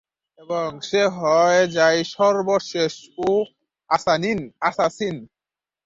এবং সে হয়ে যায় সর্বশেষ উ অ্যাসাসিন।